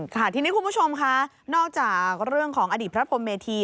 ค่ะทีนี้คุณผู้ชมค่ะนอกจากเรื่องของอดีตพระพรมเมธี